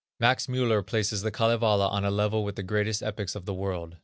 Max Müller places the Kalevala on a level with the greatest epics of the world.